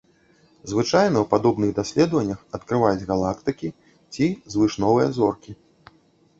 Звычайна ў падобных даследаваннях адкрываюць галактыкі ці звышновыя зоркі.